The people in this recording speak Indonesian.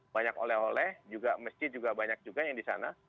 banyak oleh oleh juga masjid juga banyak juga yang di sana